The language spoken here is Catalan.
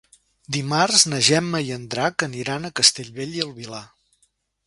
Dimarts na Gemma i en Drac aniran a Castellbell i el Vilar.